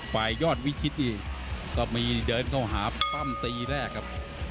ฝ่ายยอดวิคิตก็มีเดินเข้าหาปั้มตีแรกครับ